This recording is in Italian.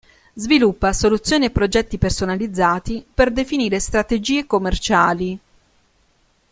Sviluppa soluzioni e progetti personalizzati per definire strategie commerciali.